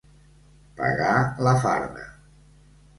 Pagar la farda.